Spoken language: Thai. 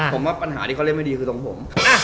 ผมว่าปัญหาที่เขาเล่นไม่ดีคือทรงผม